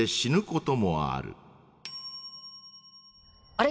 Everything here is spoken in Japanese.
あれ？